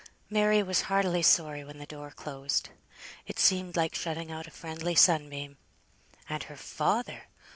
Mary was heartily sorry when the door closed; it seemed like shutting out a friendly sunbeam. And her father!